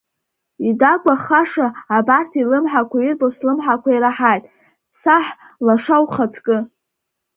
Идагәахаша абарҭ илымҳақәа ирбо слымҳақәа ираҳаит, саҳ лаша ухаҵкы.